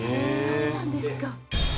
そうなんですか。